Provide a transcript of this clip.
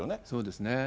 そうですね。